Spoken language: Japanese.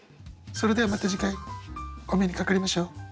それではまた次回お目にかかりましょう。